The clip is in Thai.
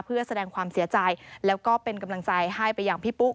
เพื่อแสดงความเสียใจแล้วก็เป็นกำลังใจให้ไปอย่างพี่ปุ๊